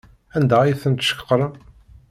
Anda ay tent-tceqrem?